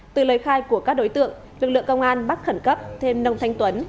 từ lời khai của các đối tượng lực lượng công an bắt khẩn cấp thêm nông thanh tuấn